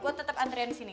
gue tetep antrian disini